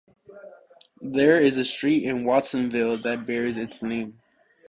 There is a street in Watsonville that bears its name.